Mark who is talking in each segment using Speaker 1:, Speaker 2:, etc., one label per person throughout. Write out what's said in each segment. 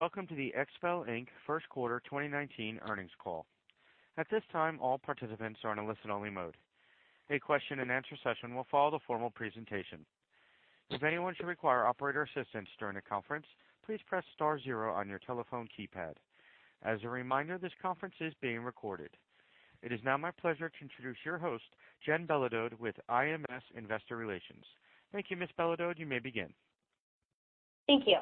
Speaker 1: Welcome to the XPEL, Inc. first quarter 2019 earnings call. It is now my pleasure to introduce your host, Jennifer Belodeau with IMS Investor Relations. Thank you, Ms. Belodeau. You may begin.
Speaker 2: Thank you.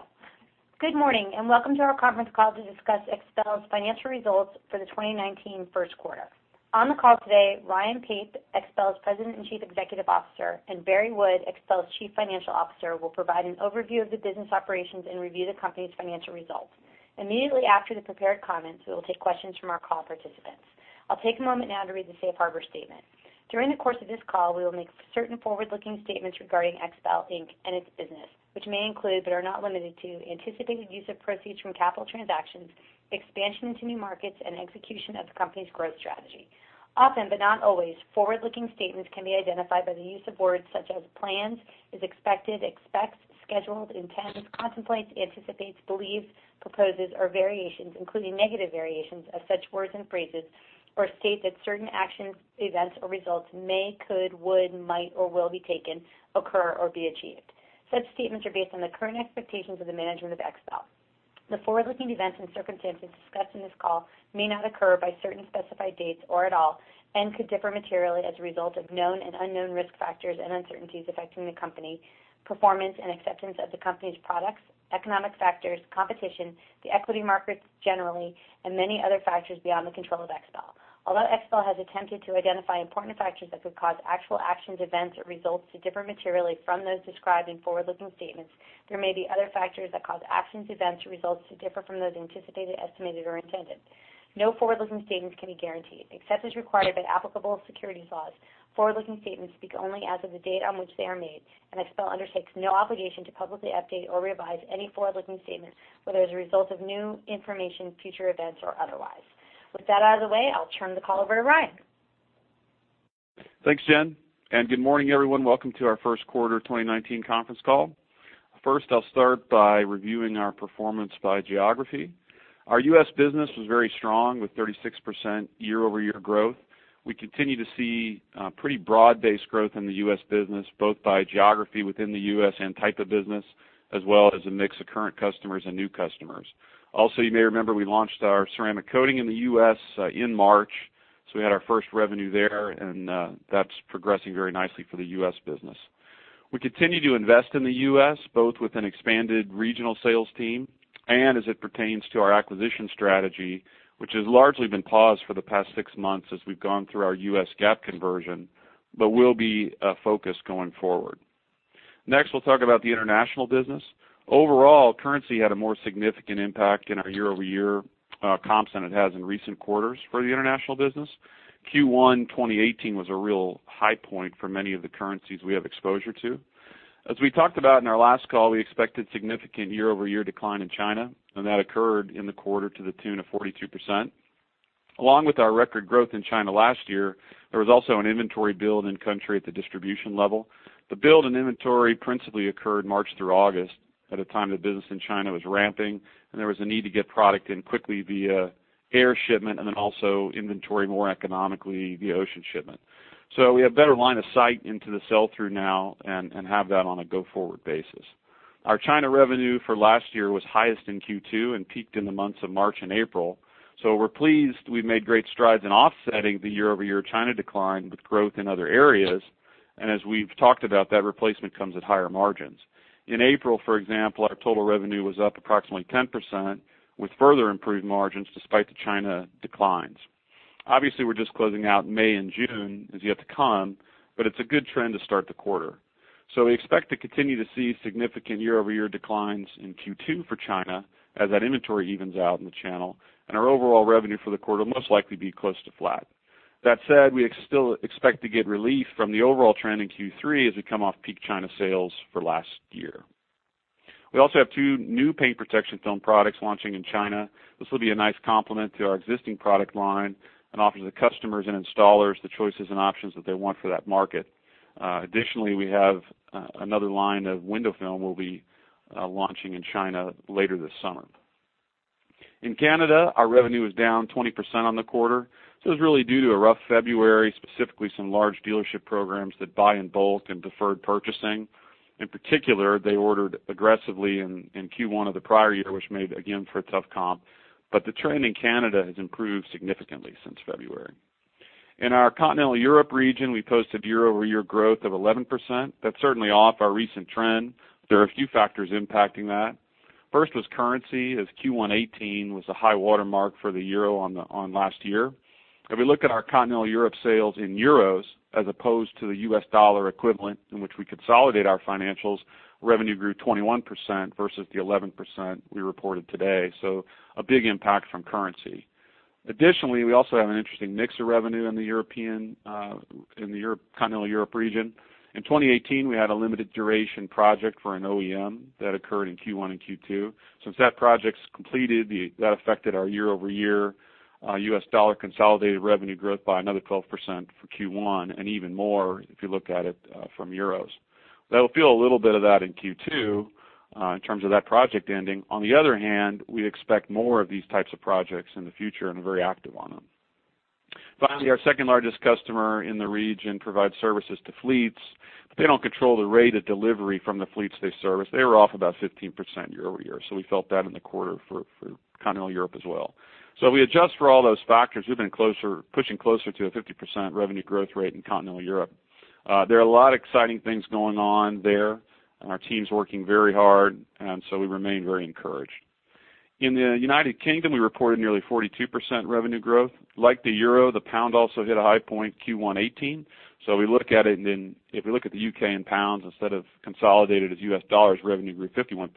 Speaker 2: Good morning, and welcome to our conference call to discuss XPEL's financial results for the 2019 first quarter. On the call today, Ryan Pape, XPEL's President and Chief Executive Officer, and Barry Wood, XPEL's Chief Financial Officer, will provide an overview of the business operations and review the company's financial results. Immediately after the prepared comments, we will take questions from our call participants. I'll take a moment now to read the safe harbor statement. During the course of this call, we will make certain forward-looking statements regarding XPEL Inc. and its business, which may include, but are not limited to, anticipated use of proceeds from capital transactions, expansion into new markets, and execution of the company's growth strategy. Often, but not always, forward-looking statements can be identified by the use of words such as plans, is expected, expects, scheduled, intends, contemplates, anticipates, believes, proposes, or variations, including negative variations of such words and phrases, or state that certain actions, events, or results may, could, would, might, or will be taken, occur, or be achieved. Such statements are based on the current expectations of the management of XPEL. The forward-looking events and circumstances discussed in this call may not occur by certain specified dates or at all and could differ materially as a result of known and unknown risk factors and uncertainties affecting the company, performance and acceptance of the company's products, economic factors, competition, the equity markets generally, and many other factors beyond the control of XPEL. Although XPEL has attempted to identify important factors that could cause actual actions, events, or results to differ materially from those described in forward-looking statements, there may be other factors that cause actions, events, or results to differ from those anticipated, estimated, or intended. No forward-looking statements can be guaranteed. Except as required by applicable securities laws, forward-looking statements speak only as of the date on which they are made, and XPEL undertakes no obligation to publicly update or revise any forward-looking statement, whether as a result of new information, future events, or otherwise. With that out of the way, I'll turn the call over to Ryan.
Speaker 3: Thanks, Jen, and good morning, everyone. Welcome to our first quarter 2019 conference call. I'll start by reviewing our performance by geography. Our U.S. business was very strong with 36% year-over-year growth. We continue to see pretty broad-based growth in the U.S. business, both by geography within the U.S. and type of business, as well as a mix of current customers and new customers. You may remember we launched our ceramic coating in the U.S. in March, so we had our first revenue there, and that's progressing very nicely for the U.S. business. We continue to invest in the U.S., both with an expanded regional sales team and as it pertains to our acquisition strategy, which has largely been paused for the past six months as we've gone through our U.S. GAAP conversion but will be a focus going forward. Next, we'll talk about the international business. Overall, currency had a more significant impact in our year-over-year comps than it has in recent quarters for the international business. Q1 2018 was a real high point for many of the currencies we have exposure to. As we talked about in our last call, we expected significant year-over-year decline in China. That occurred in the quarter to the tune of 42%. Along with our record growth in China last year, there was also an inventory build in country at the distribution level. The build in inventory principally occurred March through August at a time the business in China was ramping. There was a need to get product in quickly via air shipment, also inventory more economically via ocean shipment. We have better line of sight into the sell-through now and have that on a go-forward basis. Our China revenue for last year was highest in Q2 and peaked in the months of March and April. We're pleased we made great strides in offsetting the year-over-year China decline with growth in other areas, and as we've talked about, that replacement comes at higher margins. In April, for example, our total revenue was up approximately 10% with further improved margins despite the China declines. Obviously, we're just closing out May and June is yet to come, but it's a good trend to start the quarter. We expect to continue to see significant year-over-year declines in Q2 for China as that inventory evens out in the channel, and our overall revenue for the quarter will most likely be close to flat. That said, we still expect to get relief from the overall trend in Q3 as we come off peak China sales for last year. We also have two new paint protection film products launching in China. This will be a nice complement to our existing product line and offer the customers and installers the choices and options that they want for that market. Additionally, we have another line of window film we'll be launching in China later this summer. In Canada, our revenue was down 20% on the quarter. This was really due to a rough February, specifically some large dealership programs that buy in bulk and deferred purchasing. In particular, they ordered aggressively in Q1 of the prior year, which made again for a tough comp. The trend in Canada has improved significantly since February. In our Continental Europe region, we posted year-over-year growth of 11%. That's certainly off our recent trend. There are a few factors impacting that. First was currency, as Q1 2018 was the high water mark for the euro on last year. If we look at our Continental Europe sales in euros as opposed to the U.S. dollar equivalent in which we consolidate our financials, revenue grew 21% versus the 11% we reported today, a big impact from currency. Additionally, we also have an interesting mix of revenue in the European Continental Europe region. In 2018, we had a limited duration project for an OEM that occurred in Q1 and Q2. Since that project's completed, that affected our year-over-year U.S. dollar consolidated revenue growth by another 12% for Q1 and even more if you look at it from euros. That'll feel a little bit of that in Q2 in terms of that project ending. On the other hand, we expect more of these types of projects in the future and are very active on them. Finally, our second-largest customer in the region provides services to fleets. They don't control the rate of delivery from the fleets they service. They were off about 15% year-over-year, so we felt that in the quarter for Continental Europe as well. We adjust for all those factors. We've been pushing closer to a 50% revenue growth rate in Continental Europe. There are a lot of exciting things going on there, and our team's working very hard. We remain very encouraged. In the U.K., we reported nearly 42% revenue growth. Like the euro, the pound also hit a high point Q1 2018, so we look at it and then if we look at the U.K. in pounds instead of consolidated as U.S. dollars, revenue grew 51%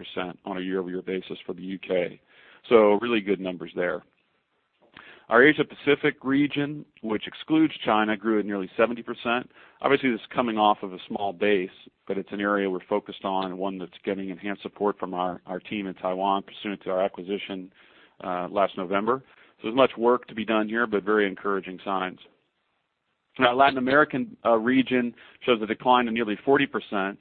Speaker 3: on a year-over-year basis for the U.K. Really good numbers there. Our Asia Pacific region, which excludes China, grew at nearly 70%. Obviously, this is coming off of a small base, but it's an area we're focused on, one that's getting enhanced support from our team in Taiwan pursuant to our acquisition last November. There's much work to be done here, but very encouraging signs. Our Latin American region shows a decline of nearly 40%.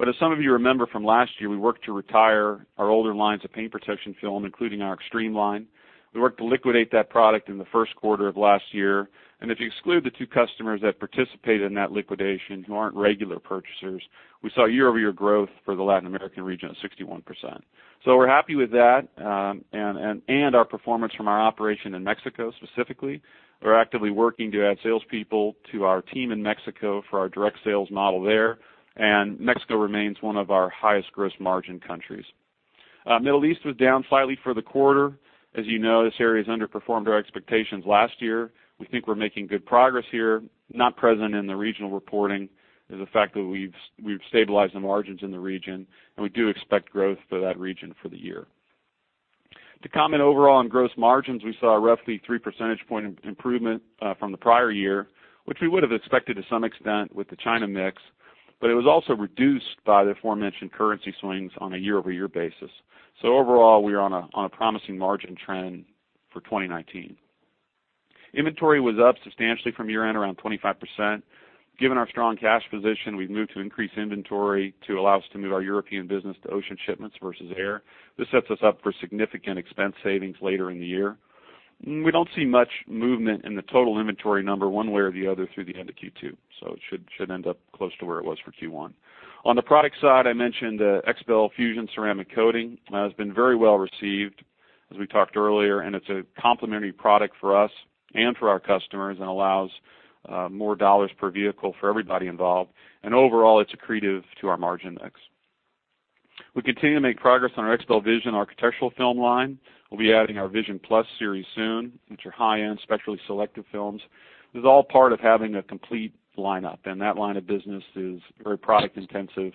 Speaker 3: As some of you remember from last year, we worked to retire our older lines of paint protection film, including our Xtreme line. We worked to liquidate that product in the 1st quarter of last year. If you exclude the two customers that participated in that liquidation who aren't regular purchasers, we saw year-over-year growth for the Latin American region at 61%. We're happy with that, and our performance from our operation in Mexico specifically. We're actively working to add salespeople to our team in Mexico for our direct sales model there, and Mexico remains one of our highest gross margin countries. Middle East was down slightly for the quarter. As you know, this area has underperformed our expectations last year. We think we're making good progress here. Not present in the regional reporting is the fact that we've stabilized the margins in the region, we do expect growth for that region for the year. To comment overall on gross margins, we saw roughly three percentage point improvement from the prior year, which we would have expected to some extent with the China mix, it was also reduced by the aforementioned currency swings on a year-over-year basis. Overall, we are on a promising margin trend for 2019. Inventory was up substantially from year-end, around 25%. Given our strong cash position, we've moved to increase inventory to allow us to move our European business to ocean shipments versus air. This sets us up for significant expense savings later in the year. We don't see much movement in the total inventory number one way or the other through the end of Q2, so it should end up close to where it was for Q1. On the product side, I mentioned XPEL FUSION ceramic coating has been very well received, as we talked earlier. It's a complementary product for us and for our customers and allows more dollars per vehicle for everybody involved. Overall, it's accretive to our margin mix. We continue to make progress on our XPEL VISION architectural film line. We'll be adding our Clear View Plus series soon, which are high-end, spectrally selective films. This is all part of having a complete lineup. That line of business is very product-intensive,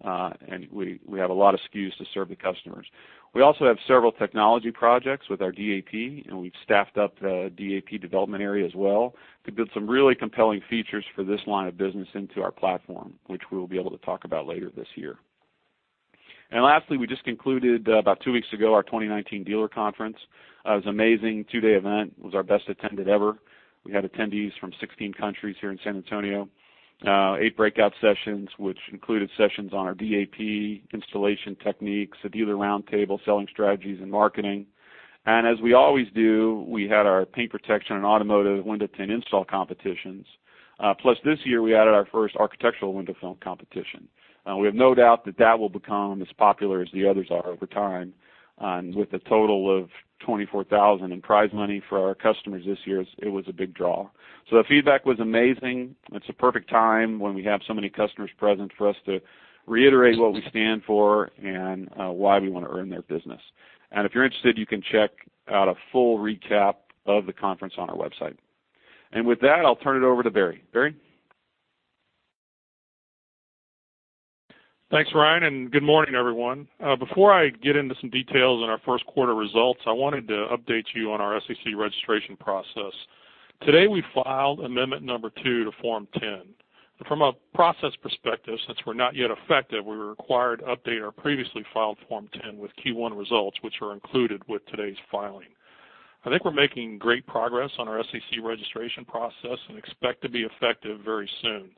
Speaker 3: and we have a lot of SKUs to serve the customers. We also have several technology projects with our DAP, and we've staffed up the DAP development area as well to build some really compelling features for this line of business into our platform, which we will be able to talk about later this year. Lastly, we just concluded about two weeks ago, our 2019 dealer conference. It was an amazing two-day event. It was our best attended ever. We had attendees from 16 countries here in San Antonio. Eight breakout sessions, which included sessions on our DAP, installation techniques, a dealer roundtable, selling strategies, and marketing. As we always do, we had our paint protection and automotive window tint install competitions. Plus this year, we added our first architectural window film competition. We have no doubt that that will become as popular as the others are over time. With a total of $24,000 in prize money for our customers this year, it was a big draw. The feedback was amazing. It's a perfect time when we have so many customers present for us to reiterate what we stand for and why we want to earn their business. If you're interested, you can check out a full recap of the conference on our website. With that, I'll turn it over to Barry. Barry?
Speaker 4: Thanks, Ryan, and good morning, everyone. Before I get into some details on our first quarter results, I wanted to update you on our SEC registration process. Today, we filed amendment number two to Form 10. From a process perspective, since we're not yet effective, we were required to update our previously filed Form 10 with Q1 results, which are included with today's filing. I think we're making great progress on our SEC registration process and expect to be effective very soon.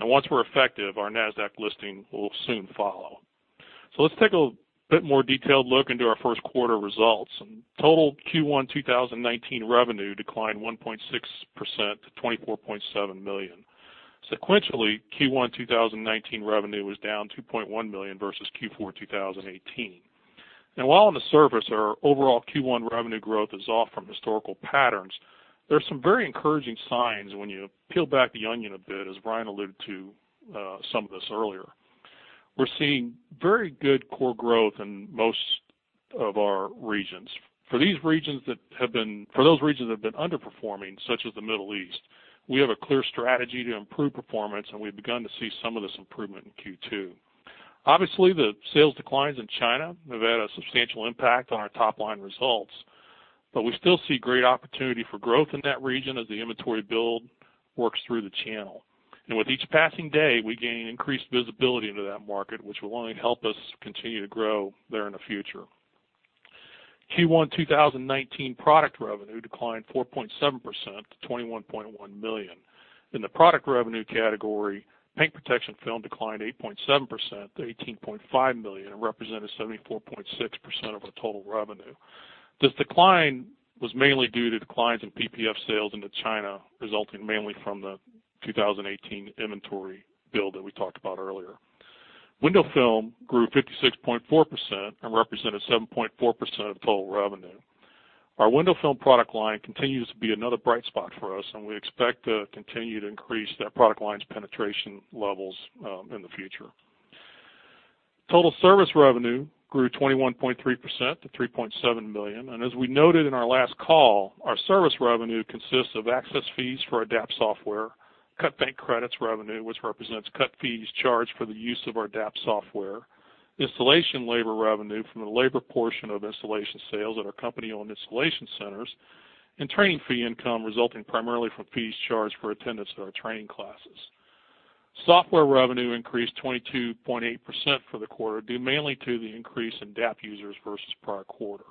Speaker 4: Once we're effective, our NASDAQ listing will soon follow. Let's take a bit more detailed look into our first quarter results. Total Q1 2019 revenue declined one point six percent to $24.7 million. Sequentially, Q1 2019 revenue was down $2.1 million versus Q4 2018. While on the surface, our overall Q1 revenue growth is off from historical patterns, there are some very encouraging signs when you peel back the onion a bit, as Ryan alluded to some of this earlier. We're seeing very good core growth in most of our regions. For those regions that have been underperforming, such as the Middle East, we have a clear strategy to improve performance, and we've begun to see some of this improvement in Q2. Obviously, the sales declines in China have had a substantial impact on our top-line results, but we still see great opportunity for growth in that region as the inventory build works through the channel. With each passing day, we gain increased visibility into that market, which will only help us continue to grow there in the future. Q1 2019 product revenue declined four point seven percent to $21.1 million. In the product revenue category, paint protection film declined eight point seven percent to $18.5 million and represented 74.6% of our total revenue. This decline was mainly due to declines in PPF sales into China, resulting mainly from the 2018 inventory build that we talked about earlier. Window film grew 56.4% and represented seven point four percent of total revenue. Our window film product line continues to be another bright spot for us, and we expect to continue to increase that product line's penetration levels in the future. Total service revenue grew 21.3% to $3.7 million. As we noted in our last call, our service revenue consists of access fees for our DAP software, cutbank credits revenue, which represents cut fees charged for the use of our DAP software, installation labor revenue from the labor portion of installation sales at our company-owned installation centers, and training fee income resulting primarily from fees charged for attendance to our training classes. Software revenue increased 22.8% for the quarter, due mainly to the increase in DAP users versus prior quarter.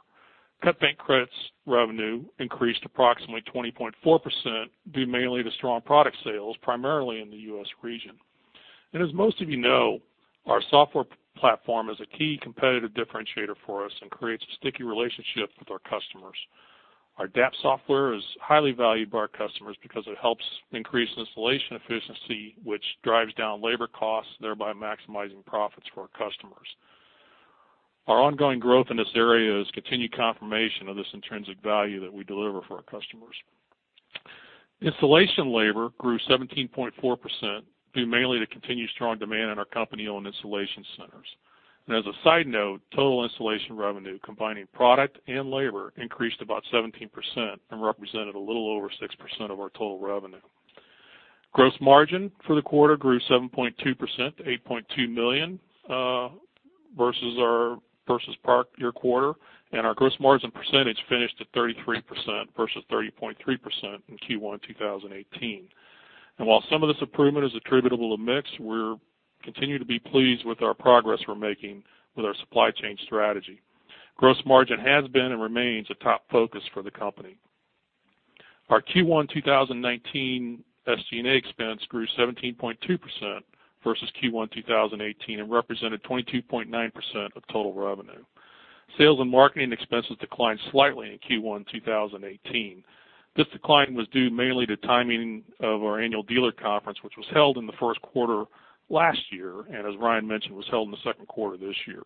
Speaker 4: Cutbank credits revenue increased approximately 20.4%, due mainly to strong product sales, primarily in the U.S. region. As most of you know, our software platform is a key competitive differentiator for us and creates a sticky relationship with our customers. Our DAP software is highly valued by our customers because it helps increase installation efficiency, which drives down labor costs, thereby maximizing profits for our customers. Our ongoing growth in this area is continued confirmation of this intrinsic value that we deliver for our customers. Installation labor grew 17.4%, due mainly to continued strong demand in our company-owned installation centers. As a side note, total installation revenue, combining product and labor, increased about 17% and represented a little over six percent of our total revenue. Gross margin for the quarter grew seven point two percent to $8.2 million versus prior year quarter, and our gross margin percentage finished at 33% versus 30.3% in Q1 2018. While some of this improvement is attributable to mix, we're continuing to be pleased with our progress we're making with our supply chain strategy. Gross margin has been and remains a top focus for the company. Our Q1 2019 SG&A expense grew 17.2% versus Q1 2018 and represented 22.9% of total revenue. Sales and marketing expenses declined slightly in Q1 2018. This decline was due mainly to timing of our annual dealer conference, which was held in the first quarter last year, and as Ryan mentioned, was held in the second quarter this year.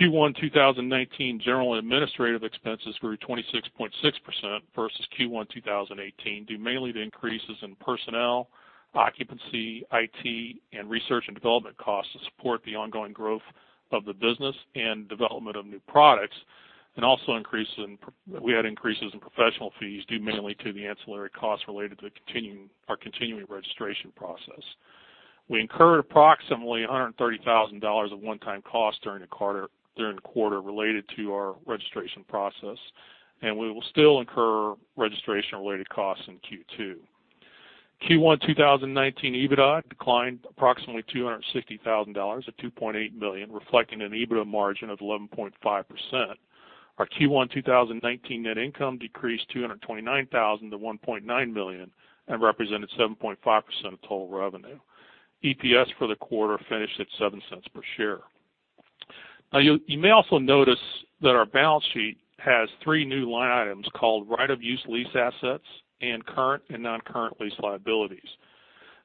Speaker 4: Q1 2019 general and administrative expenses grew 26.6% versus Q1 2018, due mainly to increases in personnel, occupancy, IT, and research and development costs to support the ongoing growth of the business and development of new products, and also we had increases in professional fees due mainly to the ancillary costs related to our continuing registration process. We incurred approximately $130,000 of one-time costs during the quarter related to our registration process, and we will still incur registration-related costs in Q2. Q1 2019 EBITDA declined approximately $260,000 at $2.8 million, reflecting an EBITDA margin of 11.5%. Our Q1 2019 net income decreased $229,000 to $1.9 million and represented seven point five percent of total revenue. EPS for the quarter finished at $0.07 per share. Now you may also notice that our balance sheet has three new line items called right-of-use lease assets and current and non-current lease liabilities.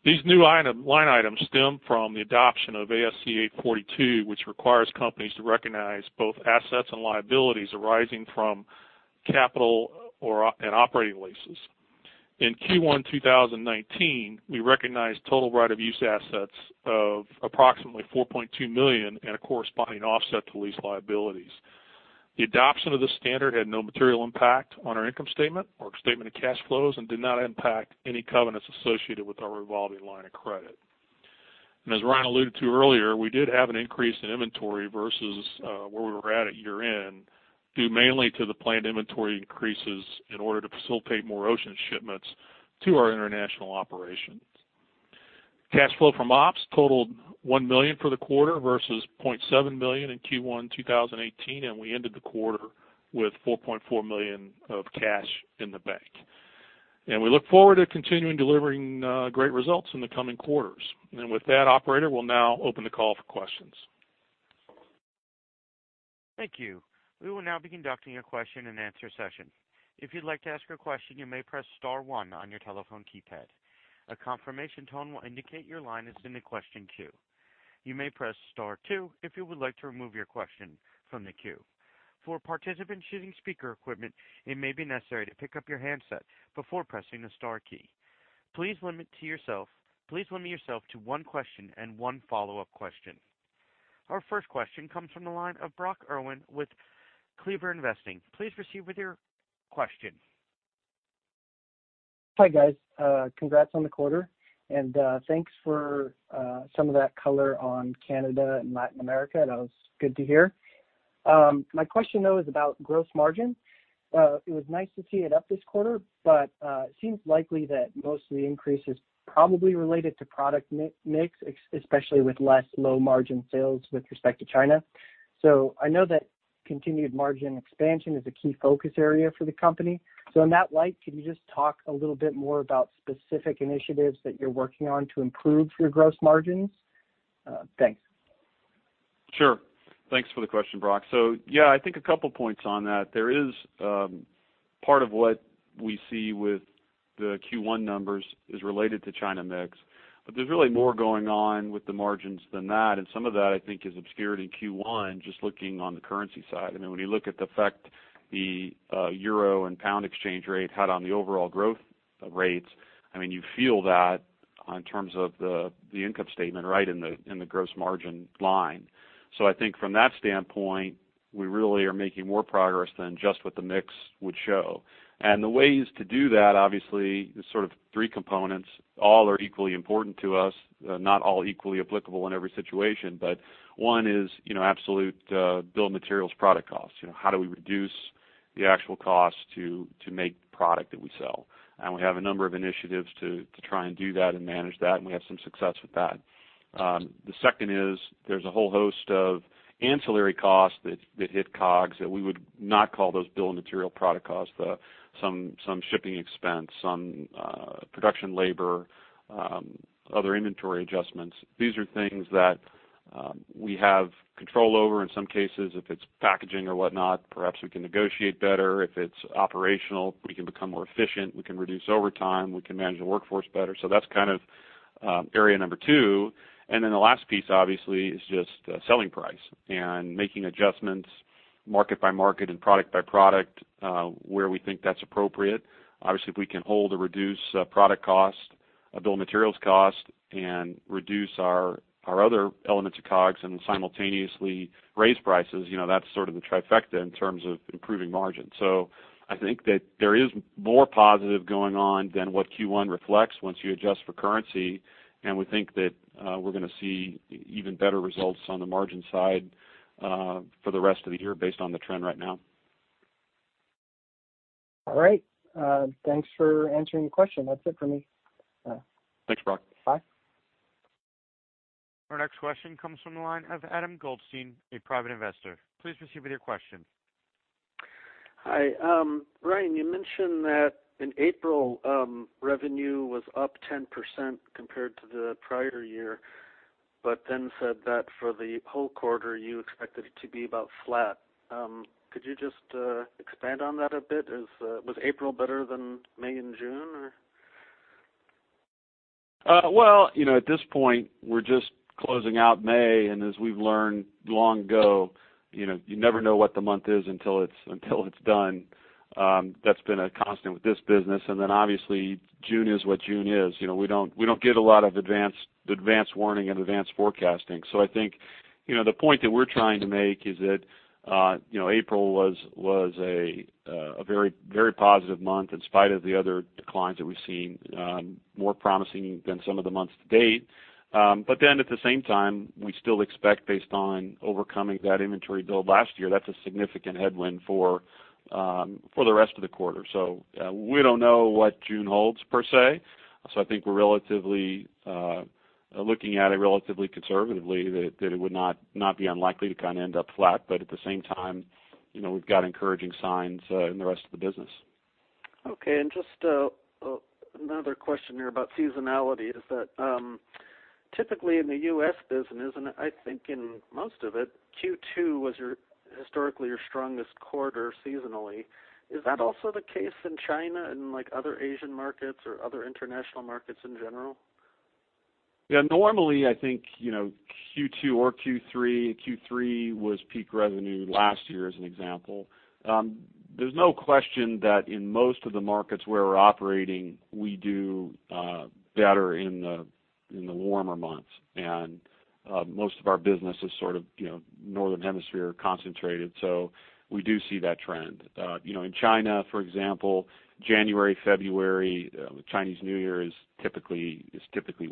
Speaker 4: These new line items stem from the adoption of ASC 842, which requires companies to recognize both assets and liabilities arising from capital and operating leases. In Q1 2019, we recognized total right-of-use assets of approximately $4.2 million and a corresponding offset to lease liabilities. The adoption of this standard had no material impact on our income statement or statement of cash flows and did not impact any covenants associated with our revolving line of credit. As Ryan alluded to earlier, we did have an increase in inventory versus where we were at at year-end, due mainly to the planned inventory increases in order to facilitate more ocean shipments to our international operations. Cash flow from ops totaled $1 million for the quarter versus $0.7 million in Q1 2018, and we ended the quarter with $4.4 million of cash in the bank. We look forward to continuing delivering great results in the coming quarters. With that, operator, we'll now open the call for questions.
Speaker 1: Thank you. We will now be conducting a question and answer session. If you'd like to ask a question, you may press star one on your telephone keypad. A confirmation tone will indicate your line is in the question queue. You may press star two if you would like to remove your question from the queue. For participants using speaker equipment, it may be necessary to pick up your handset before pressing the star key. Please limit yourself to one question and one follow-up question. Our first question comes from the line of Brock Erwin with CleverInvesting. Please proceed with your question.
Speaker 5: Hi, guys. Congrats on the quarter. Thanks for some of that color on Canada and Latin America. That was good to hear. My question, though, is about gross margin. It was nice to see it up this quarter, it seems likely that most of the increase is probably related to product mix, especially with less low margin sales with respect to China. Continued margin expansion is a key focus area for the company. In that light, can you just talk a little bit more about specific initiatives that you're working on to improve your gross margins? Thanks.
Speaker 3: Sure. Thanks for the question, Brock. Yeah, I think two points on that. There is part of what we see with the Q1 numbers is related to China mix. There's really more going on with the margins than that, and some of that I think is obscured in Q1, just looking on the currency side. I mean, when you look at the effect the euro and pound exchange rate had on the overall growth rates, I mean, you feel that in terms of the income statement, right, in the gross margin line. I think from that standpoint, we really are making more progress than just what the mix would show. The ways to do that, obviously, there's sort of three components. All are equally important to us, not all equally applicable in every situation. One is, you know, absolute bill of materials product costs. You know, how do we reduce the actual cost to make the product that we sell? We have a number of initiatives to try and do that and manage that, and we have some success with that. The second is there's a whole host of ancillary costs that hit COGS that we would not call those bill of material product costs, some shipping expense, some production labor, other inventory adjustments. These are things that we have control over in some cases. If it's packaging or whatnot, perhaps we can negotiate better. If it's operational, we can become more efficient, we can reduce overtime, we can manage the workforce better. That's kind of area number two. The last piece, obviously, is just selling price and making adjustments market by market and product by product, where we think that's appropriate. Obviously, if we can hold or reduce product cost, bill of materials cost and reduce our other elements of COGS and simultaneously raise prices, you know, that's sort of the trifecta in terms of improving margin. I think that there is more positive going on than what Q1 reflects once you adjust for currency, and we think that we're gonna see even better results on the margin side for the rest of the year based on the trend right now.
Speaker 5: All right. Thanks for answering the question. That's it for me.
Speaker 3: Thanks, Brock.
Speaker 5: Bye.
Speaker 1: Our next question comes from the line of Adam Goldstein, a private investor. Please proceed with your question.
Speaker 6: Hi. Ryan, you mentioned that in April, revenue was up 10% compared to the prior year, but then said that for the whole quarter, you expected it to be about flat. Could you just expand on that a bit? Is April better than May and June, or?
Speaker 3: Well, you know, at this point, we're just closing out May, and as we've learned long ago, you know, you never know what the month is until it's done. That's been a constant with this business. Obviously, June is what June is. You know, we don't get a lot of advanced warning and advanced forecasting. I think, you know, the point that we're trying to make is that, you know, April was a very, very positive month in spite of the other declines that we've seen, more promising than some of the months to date. At the same time, we still expect based on overcoming that inventory build last year, that's a significant headwind for the rest of the quarter. We don't know what June holds per se. I think we're relatively looking at it relatively conservatively that it would not be unlikely to kind of end up flat. At the same time, you know, we've got encouraging signs in the rest of the business.
Speaker 6: Okay, just another question here about seasonality is that typically in the U.S. business, and I think in most of it, Q2 was historically your strongest quarter seasonally. Is that also the case in China and like other Asian markets or other international markets in general?
Speaker 3: Yeah. Normally, I think, you know, Q2 or Q3 was peak revenue last year as an example. There's no question that in most of the markets where we're operating, we do better in the warmer months. Most of our business is sort of, you know, Northern Hemisphere concentrated, so we do see that trend. You know, in China, for example, January, February, Chinese New Year is typically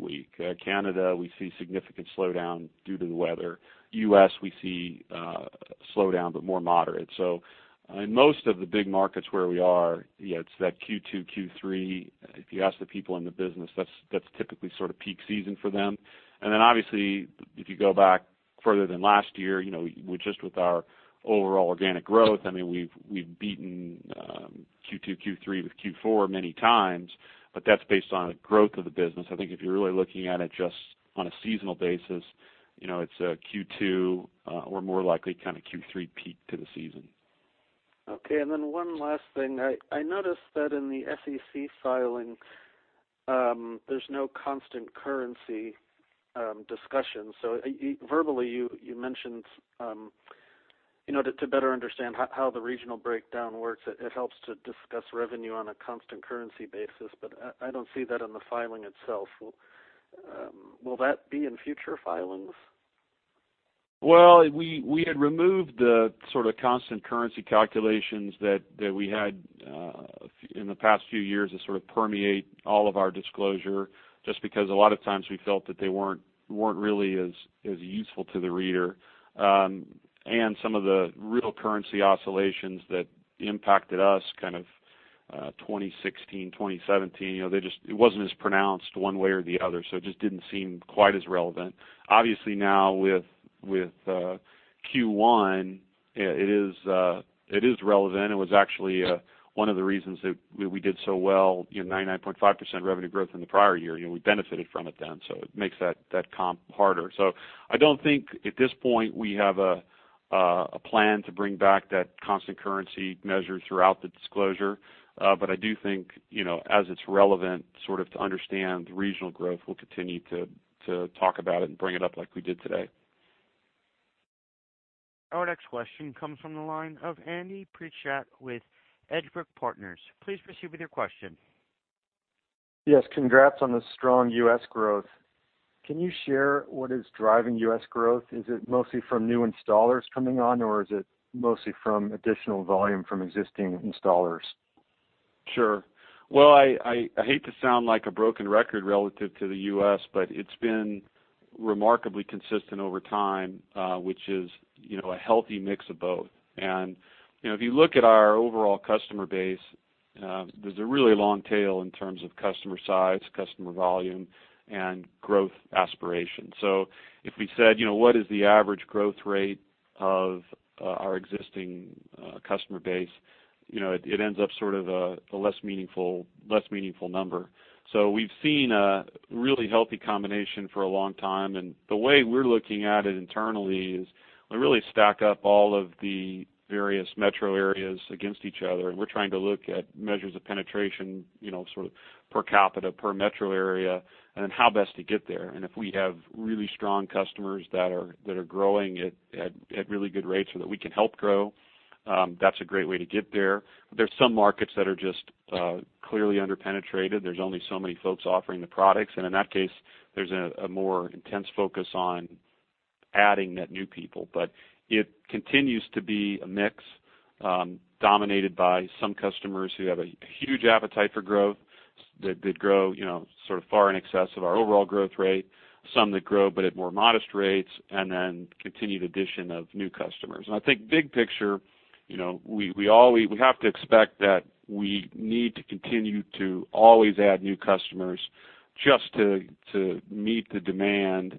Speaker 3: weak. Canada, we see significant slowdown due to the weather. U.S., we see slowdown, but more moderate. In most of the big markets where we are, yeah, it's that Q2, Q3, if you ask the people in the business, that's typically sort of peak season for them. Obviously, if you go back further than last year, you know, with just with our overall organic growth, I mean, we've beaten Q2, Q3 with Q4 many times, but that's based on the growth of the business. I think if you're really looking at it just on a seasonal basis, you know, it's Q2, or more likely kind of Q3 peak to the season.
Speaker 6: Okay, one last thing. I noticed that in the SEC filing, there's no constant currency discussion. Verbally, you mentioned, you know, to better understand how the regional breakdown works, it helps to discuss revenue on a constant currency basis. I don't see that in the filing itself. Will that be in future filings?
Speaker 3: Well, we had removed the sort of constant currency calculations that we had in the past few years to sort of permeate all of our disclosure, just because a lot of times we felt that they weren't really as useful to the reader. Some of the real currency oscillations that impacted us 2016, 2017, you know, it wasn't as pronounced one way or the other, so it just didn't seem quite as relevant. Obviously now with Q1, it is relevant. It was actually one of the reasons that we did so well, you know, 99.5% revenue growth in the prior year. You know, we benefited from it then, it makes that comp harder. I don't think at this point we have a plan to bring back that constant currency measure throughout the disclosure. I do think, you know, as it's relevant, sort of to understand the regional growth, we'll continue to talk about it and bring it up like we did today.
Speaker 1: Our next question comes from the line of Andy Pritchett with Edgebrook Partners. Please proceed with your question.
Speaker 7: Yes, congrats on the strong U.S. growth. Can you share what is driving U.S. growth? Is it mostly from new installers coming on, or is it mostly from additional volume from existing installers?
Speaker 3: Sure. Well, I hate to sound like a broken record relative to the U.S., but it's been remarkably consistent over time, which is, you know, a healthy mix of both. You know, if you look at our overall customer base, there's a really long tail in terms of customer size, customer volume, and growth aspiration. If we said, you know, what is the average growth rate of our existing customer base, you know, it ends up sort of a less meaningful number. We've seen a really healthy combination for a long time, and the way we're looking at it internally is we really stack up all of the various metro areas against each other, and we're trying to look at measures of penetration, you know, sort of per capita, per metro area, and then how best to get there. If we have really strong customers that are growing at really good rates or that we can help grow, that's a great way to get there. There's some markets that are just clearly under-penetrated. There's only so many folks offering the products. In that case, there's a more intense focus on adding net new people. It continues to be a mix, dominated by some customers who have a huge appetite for growth, that grow, you know, sort of far in excess of our overall growth rate, some that grow but at more modest rates, and then continued addition of new customers. I think big picture, you know, we have to expect that we need to continue to always add new customers just to meet the demand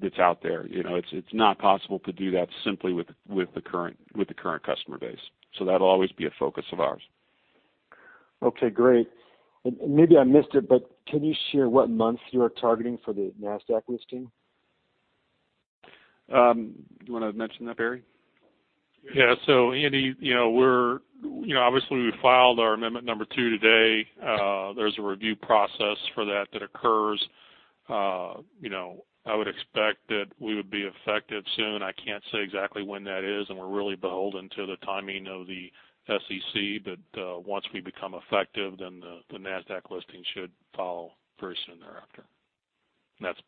Speaker 3: that's out there. You know, it's not possible to do that simply with the current customer base. That'll always be a focus of ours.
Speaker 7: Okay, great. Maybe I missed it, but can you share what month you are targeting for the NASDAQ listing?
Speaker 3: Do you wanna mention that, Barry?
Speaker 4: Yeah. Andy, you know, we're, you know, obviously we filed our amendment number two today. There's a review process for that that occurs. You know, I would expect that we would be effective soon. I can't say exactly when that is, and we're really beholden to the timing of the SEC. Once we become effective, then the NASDAQ listing should follow very soon thereafter.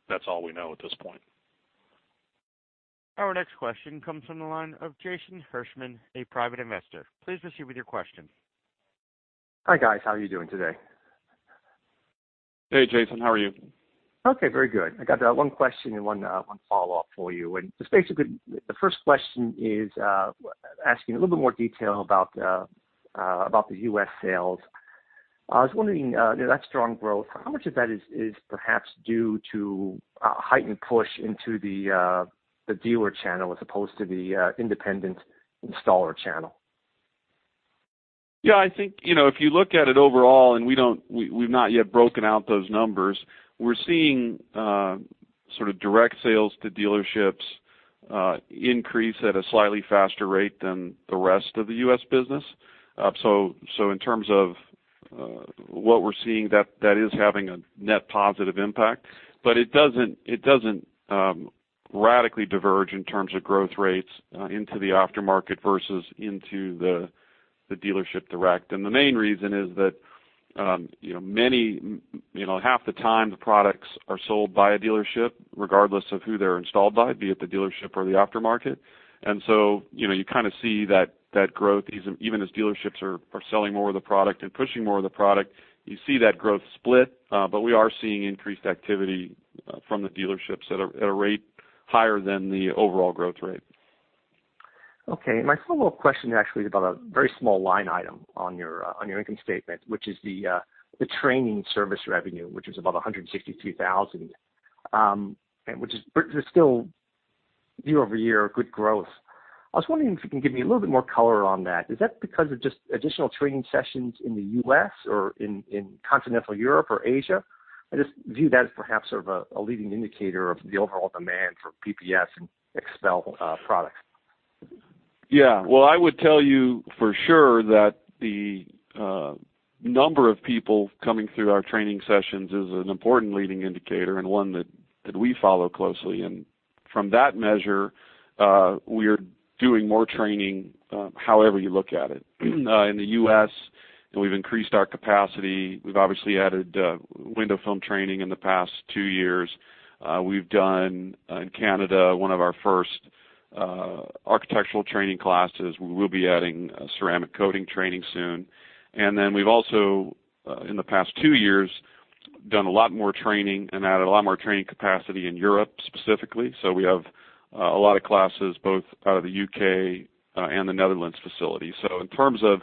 Speaker 4: That's all we know at this point.
Speaker 1: Our next question comes from the line of Jason Hirschman, a private investor. Please proceed with your question.
Speaker 8: Hi, guys. How are you doing today?
Speaker 3: Hey, Jason. How are you?
Speaker 8: Okay, very good. I got one question and one follow-up for you. Just basically, the first question is asking a little bit more detail about the U.S. sales. I was wondering, you know, that strong growth, how much of that is perhaps due to a heightened push into the dealer channel as opposed to the independent installer channel?
Speaker 3: I think, you know, if you look at it overall, and we've not yet broken out those numbers, we're seeing sort of direct sales to dealerships increase at a slightly faster rate than the rest of the U.S. business. In terms of what we're seeing, that is having a net positive impact. It doesn't radically diverge in terms of growth rates into the aftermarket versus into the dealership direct. The main reason is that, you know, half the time the products are sold by a dealership regardless of who they're installed by, be it the dealership or the aftermarket. You know, you kind of see that growth even as dealerships are selling more of the product and pushing more of the product, you see that growth split. We are seeing increased activity from the dealerships at a rate higher than the overall growth rate.
Speaker 8: Okay. My follow-up question actually is about a very small line item on your income statement, which is the training service revenue, which is about $162,000, and which is still year-over-year good growth. I was wondering if you can give me a little bit more color on that. Is that because of just additional training sessions in the U.S. or in continental Europe or Asia? I just view that as perhaps sort of a leading indicator of the overall demand for PPF and XPEL products.
Speaker 3: Well, I would tell you for sure that the number of people coming through our training sessions is an important leading indicator and one that we follow closely. From that measure, we're doing more training, however you look at it. In the U.S., we've increased our capacity. We've obviously added window film training in the past two years. We've done in Canada, one of our first architectural training classes. We will be adding ceramic coating training soon. Then we've also in the past two years, done a lot more training and added a lot more training capacity in Europe specifically. We have a lot of classes both out of the U.K. and the Netherlands facility. In terms of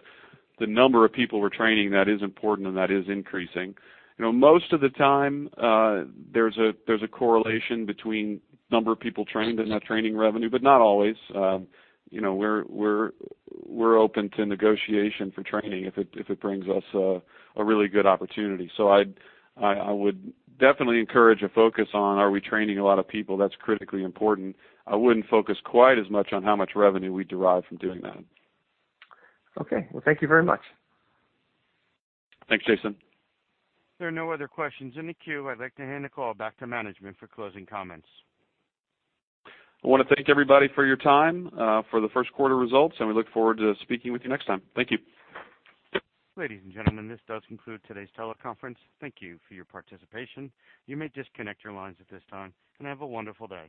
Speaker 3: the number of people we're training, that is important, and that is increasing. You know, most of the time, there's a correlation between number of people trained and that training revenue, but not always. You know, we're open to negotiation for training if it brings us a really good opportunity. I would definitely encourage a focus on are we training a lot of people, that's critically important. I wouldn't focus quite as much on how much revenue we derive from doing that.
Speaker 8: Okay. Well, thank you very much.
Speaker 3: Thanks, Jason.
Speaker 1: There are no other questions in the queue. I'd like to hand the call back to management for closing comments.
Speaker 3: I wanna thank everybody for your time, for the first quarter results. We look forward to speaking with you next time. Thank you.
Speaker 1: Ladies and gentlemen, this does conclude today's teleconference. Thank you for your participation. You may disconnect your lines at this time, and have a wonderful day.